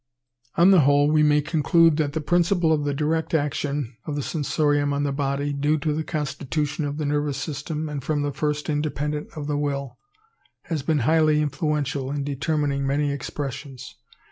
On the whole we may conclude that the principle of the direct action of the sensorium on the body, due to the constitution of the nervous system, and from the first independent of the will, has been highly influential in determining many expressions.